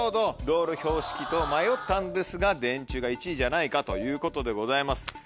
道路標識と迷ったんですが電柱が１位じゃないかということでございます。